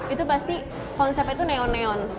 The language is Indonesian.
itu pasti konsepnya itu neon neon